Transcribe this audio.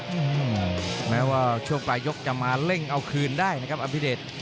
อืมแม้ว่าช่วงปลายยกจะมาเร่งเอาคืนได้นะครับอภิเดช